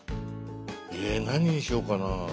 え何にしようかな。